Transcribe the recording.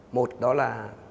một đó là